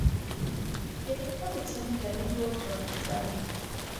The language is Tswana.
Ke rata go tshameka le diotlwana tsa me.